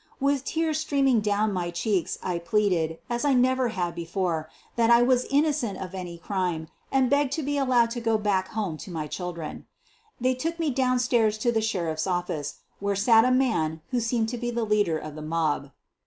With tears streaming down my cheeks I pleaded, as I never had before, that I was innocent of any crime, and begged to be allowed to go back home to my children. They took me downstairs into the Sheriff's office, where sat a man who seemed io be the leader of the mob.